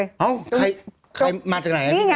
ยังไม่ได้ตอบรับหรือเปล่ายังไม่ได้ตอบรับหรือเปล่า